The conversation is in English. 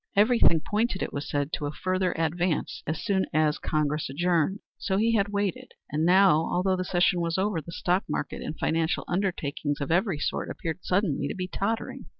Everything pointed, it was said, to a further advance as soon as Congress adjourned. So he had waited, and now, although the session was over, the stock market and financial undertakings of every sort appeared suddenly to be tottering.